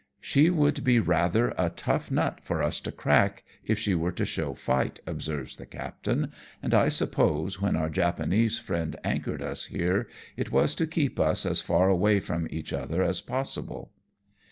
" She would be rather a tough nut for us to crack if she were to show fight," observes the captain ;" and I suppose when our Japanese friend anchored us here, it was to keep us as far away from each other as possible."